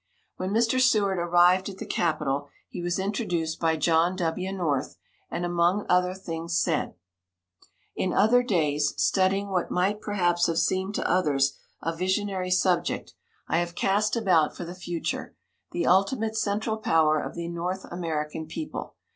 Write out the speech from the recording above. When Mr. Seward arrived at the capitol, he was introduced by John W. North, and, among other things, said: "In other days, studying what might perhaps have seemed to others a visionary subject, I have cast about for the future the ultimate central power of the North American people.